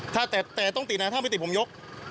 ถ้าแต่ต้องตินะถ้าไม่ติดผมยก